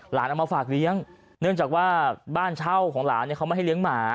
เอามาฝากเลี้ยงเนื่องจากว่าบ้านเช่าของหลานเนี่ยเขาไม่ให้เลี้ยงหมา